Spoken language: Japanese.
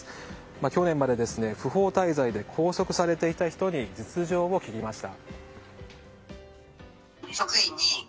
去年まで不法滞在で拘束されていた人に実情を聞きました。